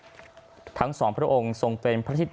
และพระเจ้าหลานเธอพระองค์เจ้าอธิตยธรรมกิติคุณ